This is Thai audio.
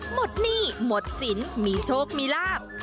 หนี้หมดสินมีโชคมีลาบ